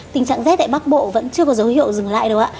tình trạng rét tại bắc bộ vẫn chưa có dấu hiệu dừng lại đâu ạ